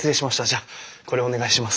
じゃこれお願いします。